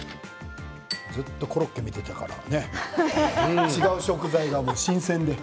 ずっとコロッケを見ていたから違う食材が新鮮で。